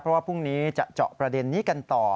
เพราะว่าพรุ่งนี้จะเจาะประเด็นนี้กันต่อ